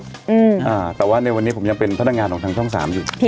เฮ้ออ๋อแต่ว่าในวันนี้เพื่อนยังเป็นธนงานของทางท่องสามอยู่ขะ